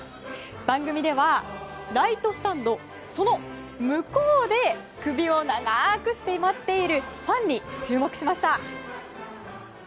番組ではライトスタンドその向こうで首を長くして待っているファンに注目しました。